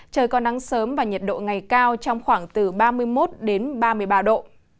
trời còn nắng sớm và nhiệt độ ngày cao trong khoảng từ ba mươi một đến ba mươi ba độ